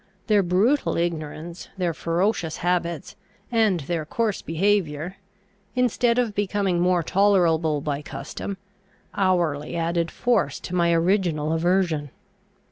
Their brutal ignorance, their ferocious habits, and their coarse behaviour, instead of becoming more tolerable by custom, hourly added force to my original aversion.